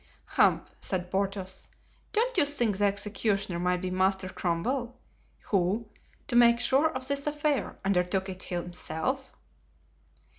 "Humph!" said Porthos. "Don't you think the executioner might be Master Cromwell, who, to make sure of this affair, undertook it himself?"